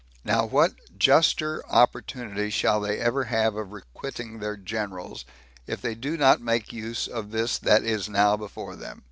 Now what juster opportunity shall they ever have of requiting their generals, if they do not make use of this that is now before them?